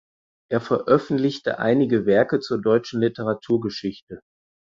Er veröffentlichte einige Werke zur deutschen Literaturgeschichte.